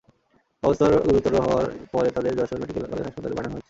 অবস্থা গুরুতর হওয়ায় পরে তাঁদের যশোর মেডিকেল কলেজ হাসপাতালে পাঠানো হয়েছে।